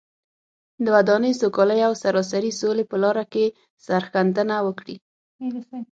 د ودانۍ، سوکالۍ او سراسري سولې په لاره کې سرښندنه وکړي.